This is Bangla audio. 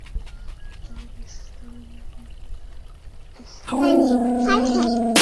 তার ইসলাম গ্রহণের পর মুসলমানগণ যত যুদ্ধে অংশগ্রহণ করেছেন ইকরামাও তাতে অংশগ্রহণ করেছেন।